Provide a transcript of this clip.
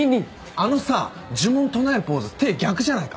あのさ呪文唱えるポーズ手逆じゃないか？